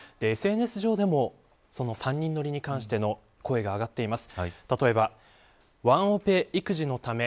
ＳＮＳ上でも３人乗りに関しての声が上がっています。